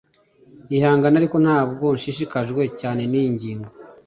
Ihangane ariko ntabwo nshishikajwe cyane niyi ngingo